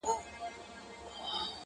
• منظور پښتین د پښتنو د دې زرکلن -